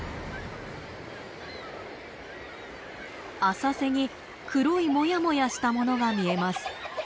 浅瀬に黒いもやもやしたものが見えます。